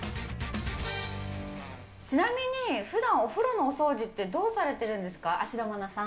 ちなみに、ふだん、お風呂のお掃除って、どうされてるんですか、芦田愛菜さん。